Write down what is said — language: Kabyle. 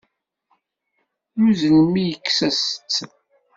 Yuzzel mmi yekkes-as-tt.